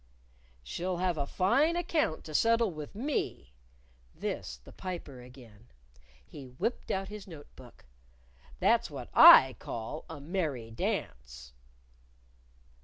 "She'll have a fine account to settle with me," this the Piper again. He whipped out his note book. "That's what I call a merry dance."